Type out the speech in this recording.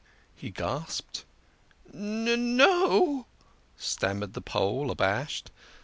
he gasped. "N n no," stammered the Pole, abashed.